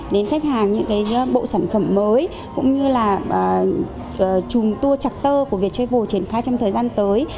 đến khách hàng những bộ sản phẩm mới cũng như là chùm tour chặt tơ của vietravel triển khai trong thời gian tới